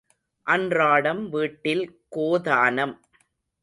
அன்றாடம் வீட்டில் கோதானம்.